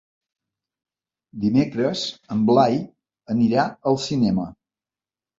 Dimecres en Blai anirà al cinema.